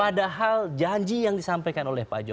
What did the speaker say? padahal janji yang disampaikan oleh pak jokowi